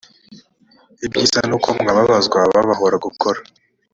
ibyiza ni uko mwababazwa babah ra gukora